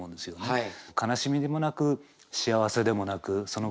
はい。